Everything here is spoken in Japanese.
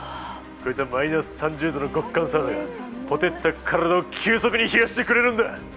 マイナス３０度の極寒サウナがほてった体を急速に冷やしてくれるんだ。